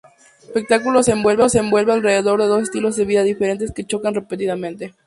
El espectáculo se envuelve alrededor de dos estilos de vida diferentes que chocan repetidamente.